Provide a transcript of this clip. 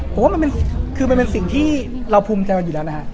ผมว่ามันคือมันเป็นสิ่งที่เราภูมิใจมันอยู่แล้วนะฮะ